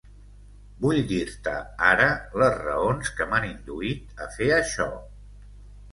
Vull dir-te ara les raons que m'han induït a fer això.